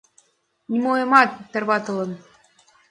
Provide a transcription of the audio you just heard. Нимоэмат тарваталын